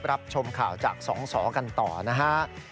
รับชมข่าวจากสองสอกันต่อนะฮะ